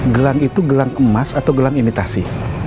gelang itu gelang emas atau gelang imitasi